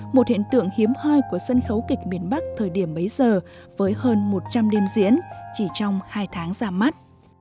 một hiện tượng hiếm hoi của sân khấu kịch miền bắc thời điểm mấy giờ với hơn một trăm linh đêm diễn chỉ trong hai tháng ra mắt